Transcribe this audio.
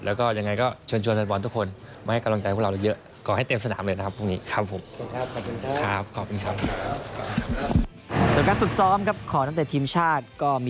แล้วก็อย่างไรก็เชิญแฟนวอนทุกคน